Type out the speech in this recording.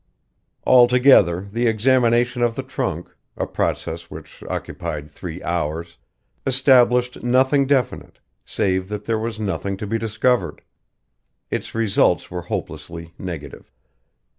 Altogether the examination of the trunk a process which occupied three hours established nothing definite, save that there was nothing to be discovered. Its results were hopelessly negative.